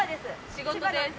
仕事です。